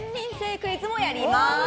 クイズもやります。